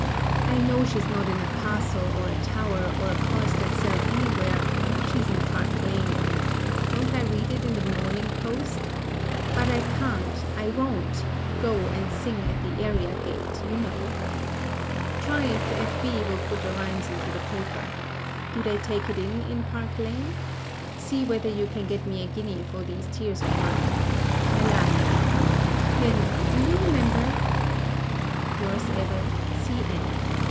I know she's not in a castle or a tower or a cloistered cell anywhere; she is in Park Lane. Don't I read it in the "Morning Post?" But I can't, I won't, go and sing at the area gate, you know. Try if F. B. will put the rhymes into the paper. Do they take it in in Park Lane? See whether you can get me a guinea for these tears of mine: "Mes Larmes," Pen, do you remember?—Yours ever, C. N.